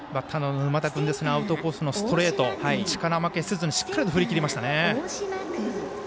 沼田君アウトコースのストレート力負けせずにしっかりと振り切りましたね。